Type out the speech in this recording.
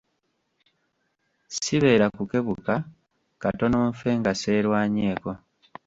Sibeera kukebuka, katono nfe nga seerwanyenako.